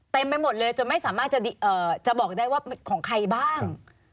ไปหมดเลยจนไม่สามารถจะบอกได้ว่าเป็นของใครบ้าง